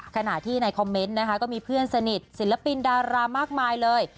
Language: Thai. ขณะที่ในคอมเมนต์นะคะก็มีเพื่อนสนิทศิลปินดารามากมายเลย